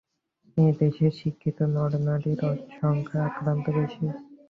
এ দেশের শিক্ষিত নরনারীর সংখ্যা অত্যন্ত বেশী।